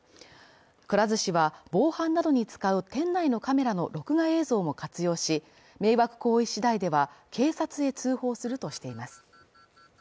くら寿司は、防犯などに使う店内のカメラの録画映像も活用し、迷惑行為次第では警察へ通報するとしています